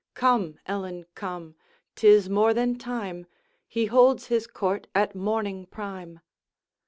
Come, Ellen, come! 'tis more than time, He holds his court at morning prime.'